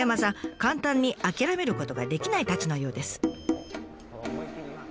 簡単に諦めることができないたちのようです。